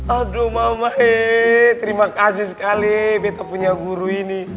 aduh mama terima kasih sekali kita punya guru ini